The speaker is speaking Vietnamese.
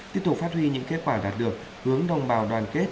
tiếp tục phát huy những kết quả đạt được hướng đồng bào đoàn kết